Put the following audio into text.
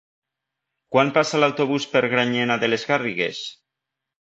Quan passa l'autobús per Granyena de les Garrigues?